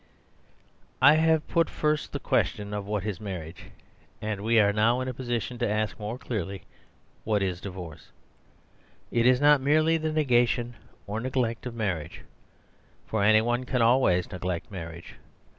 I have put first the question of what is mar riage. And we are now in a position to ask more clearly what is divorce. It is not merely the negation or neglect of marriage; for any one can always neglect marriage.